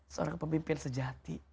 seorang pemimpin sejati